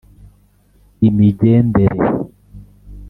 imigendere